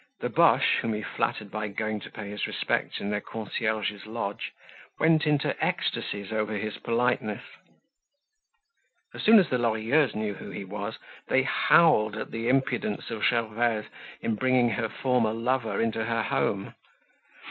The Boches, whom he flattered by going to pay his respects in their concierge's lodge, went into ecstasies over his politeness. As soon as the Lorilleuxs knew who he was, they howled at the impudence of Gervaise in bringing her former lover into her home.